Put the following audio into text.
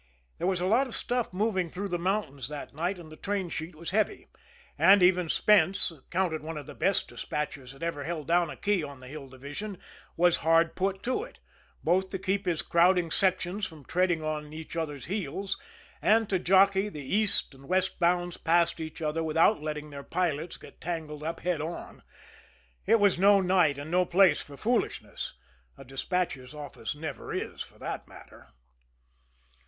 There was a lot of stuff moving through the mountains that night, and the train sheet was heavy. And even Spence, counted one of the best despatchers that ever held down a key on the Hill Division, was hard put to it, both to keep his crowding sections from treading on each other's heels, and to jockey the east and westbounds past each other without letting their pilots get tangled up head on. It was no night or no place for foolishness a despatcher's office never is, for that matter.